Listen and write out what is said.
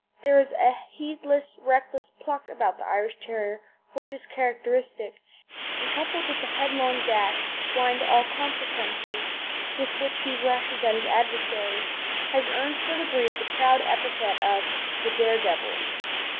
There is a heedless, reckless pluck about the Irish Terrier which is characteristic, and, coupled with the headlong dash, blind to all consequences, with which he rushes at his adversary, has earned for the breed the proud epithet of "The Dare Devils."